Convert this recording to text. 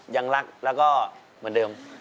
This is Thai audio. ยังรักแล้วก็เหมือนเดิม